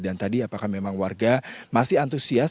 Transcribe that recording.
dan tadi apakah memang warga masih antusias